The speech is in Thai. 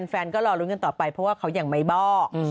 แฟนก็รอรุ้นต่อไปเพราะเขายังไม่บอก